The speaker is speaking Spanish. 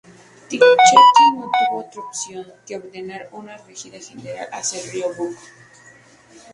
Tujachevski no tuvo otra opción que ordenar una retirada general hacia el río Bug.